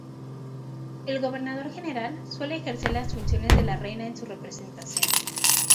El Gobernador General suele ejercer las funciones de la Reina en su representación.